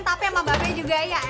tapi sama mbak be juga ya